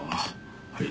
はい。